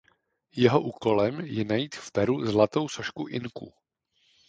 Jeho úkolem je najít v Peru zlatou sošku Inků.